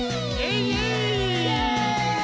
イエイ！